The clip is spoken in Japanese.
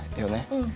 うん。